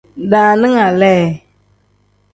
Daaninga lee.